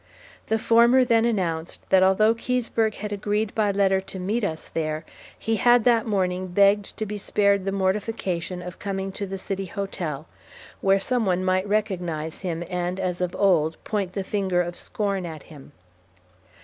The former then announced that although Keseberg had agreed by letter to meet us there, he had that morning begged to be spared the mortification of coming to the city hotel, where some one might recognize him, and as of old, point the finger of scorn at him.